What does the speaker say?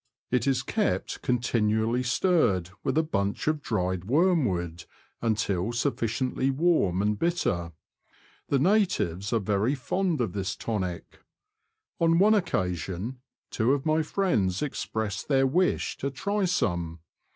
It is kept con tinually stirred, with a bunch of dried wormwood, until sufficiently warm and bitter. The natives are very fond of this tonic. On one occasion, two of my friends expressed their wish to try some.